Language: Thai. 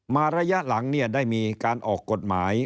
มาระยะหลังได้มีการออกกฎหมาย